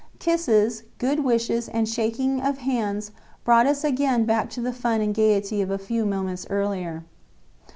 Kisses, good wishes and shaking of hands brought us again back to the fun and gaiety of a few moments earlier.